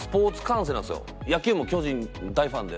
野球も巨人大ファンで。